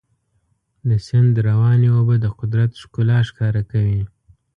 د سیند روانې اوبه د قدرت ښکلا ښکاره کوي.